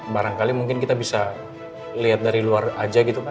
barangkali mungkin kita bisa lihat dari luar aja gitu pak